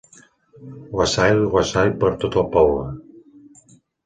Wassail, wassail per tot el poble.